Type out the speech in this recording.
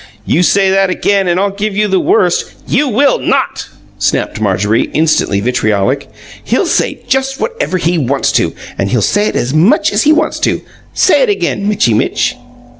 "You say that again, and I'll give you the worst " "You will NOT!" snapped Marjorie, instantly vitriolic. "He'll say just whatever he wants to, and he'll say it just as MUCH as he wants to. Say it again, Mitchy Mitch!"